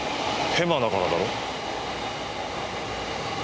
ヘマだからだろ？